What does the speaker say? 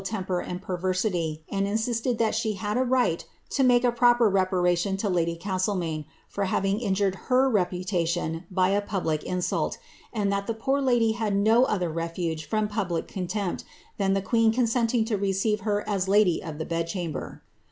temper and perversity, and insisted that she had a right to make a pro per reparation to lady Castlemaine, for having injured her reputatioii by a public insult, and that the poor lady had no other refuge from public contempt than the queen consenting to receive her as lady of the bed* chamber.